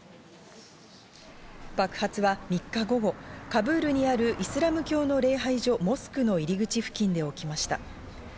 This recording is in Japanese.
爆発は３日午後、カブールにあるイスラム教の礼拝所・モスクの入口付近で起きました。